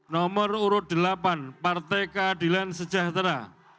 nomor urut delapan partai keadilan sejahtera